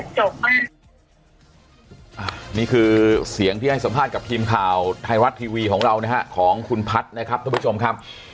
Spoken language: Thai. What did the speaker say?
นี่คือเสียงที่ให้สัมภาษณ์กับทีมข่าวไทยรัฐทีวีของเรานะฮะของคุณพัฒน์นะครับท่านผู้ชมครับ